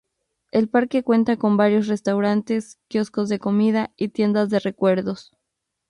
El parque cuenta con varios restaurantes, kioscos de comida y tiendas de recuerdos.